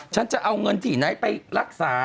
ฉันจะเอาเงินที่ไหนไปรักษา